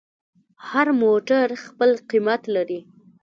هر موټر خپل قیمت لري.